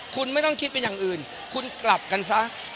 คุณไม่ต้องคิดเป็นอย่างอื่นคุณกลับกันซะ